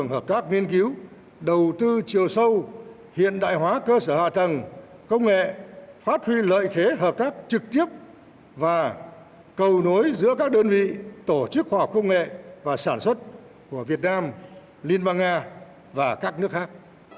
hợp tác nghiên cứu đầu tư chiều sâu hiện đại hóa cơ sở hạ tầng công nghệ phát huy lợi thế hợp tác trực tiếp và cầu nối giữa các đơn vị tổ chức khoa học công nghệ và sản xuất của việt nam liên bang nga và các nước khác